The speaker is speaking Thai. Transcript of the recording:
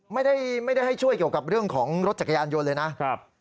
ไม่ได้ให้ช่วยเกี่ยวกับเรื่องของรถจักรยานยนต์เลยนะครับ